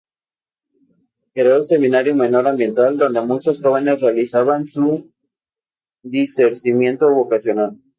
Creó el Seminario Menor Ambiental, donde muchos jóvenes realizaban su discernimiento vocacional.